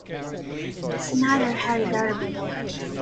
Senator Harry Darby.